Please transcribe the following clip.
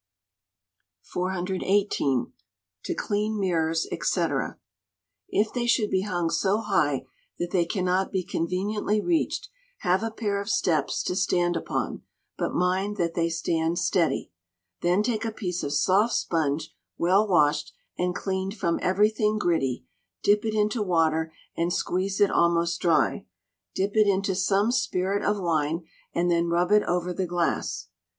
] 418. To Clean Mirrors, &c. If they should be hung so high that they cannot be conveniently reached, have a pair of steps to stand upon; but mind that they stand steady. Then take a piece of soft sponge, well washed, and cleaned from everything gritty, dip it into water and squeeze it almost dry, dip it into some spirit of wine, and then rub it over the glass.